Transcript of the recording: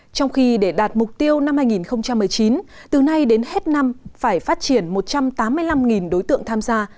trong khi để đạt mục tiêu năm hai nghìn một mươi chín từ nay đến hết năm phải phát triển một trăm tám mươi năm đối tượng tham gia